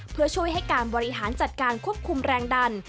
เพื่อช่วยให้การบริหารจัดการควบคุมแรงดัน